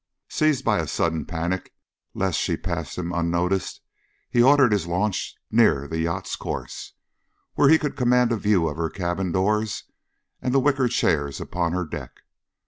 Seized by a sudden panic lest she pass him unnoticed, he ordered his launch near the yacht's course, where he could command a view of her cabin doors and the wicker chairs upon her deck.